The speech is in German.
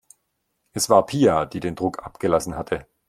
Es war Pia, die den Druck abgelassen hatte.